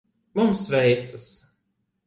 Mums veicas.